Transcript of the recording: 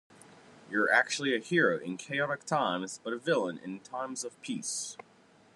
You're actually a hero in chaotic times but a villain in times of peace.